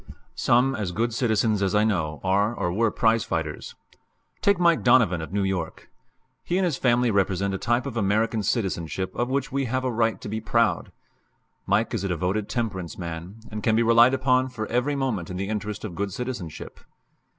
Some as good citizens as I know are or were prize fighters. Take Mike Donovan, of New York. He and his family represent a type of American citizenship of which we have a right to be proud. Mike is a devoted temperance man, and can be relied upon for every movement in the interest of good citizenship.